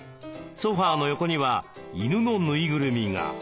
ソファーの横にはイヌのぬいぐるみが。